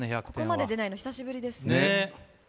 ここまで出ないの久しぶりですね。